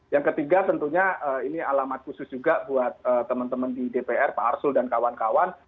yang ketiga tentunya ini alamat khusus juga buat teman teman di dpr pak arsul dan kawan kawan